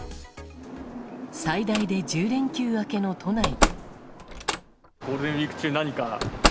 最大で１０連休明けの都内。